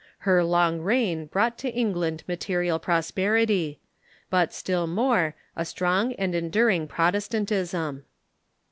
Her long reign brought to England material prosperity ; but, still more, a strong and enduring Protestantism.